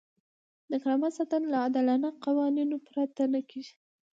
د کرامت ساتنه له عادلانه قوانینو پرته نه کیږي.